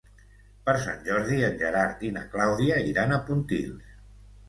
Per Sant Jordi en Gerard i na Clàudia iran a Pontils.